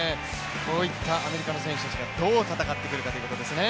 アメリカの選手たちがどう戦ってくるかということですね。